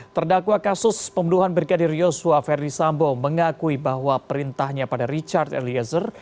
terdakwa kasus pembunuhan brigadir yosua verdi sambo mengakui bahwa perintahnya pada richard eliezer